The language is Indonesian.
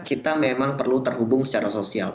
kita memang perlu terhubung secara sosial